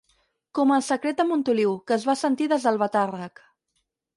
Com el secret de Montoliu, que es va sentir des d'Albatàrrec.